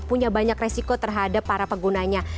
punya banyak resiko terhadap para penggunanya